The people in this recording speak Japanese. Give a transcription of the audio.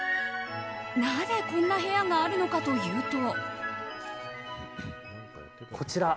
なぜ、こんな部屋があるのかというと。